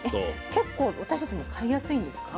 結構私たちも買いやすいんですか？